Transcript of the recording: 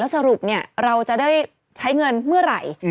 สรุปความคิดเล่นเราจะได้ใช้เงินเมื่อไหร่